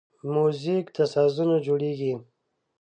موزیک له سازونو جوړیږي.